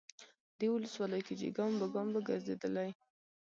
دې ولسوالۍ کې چې ګام به ګام ګرځېدلی،